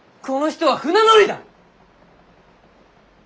この人は船乗りだ！